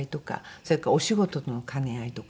それからお仕事との兼ね合いとか。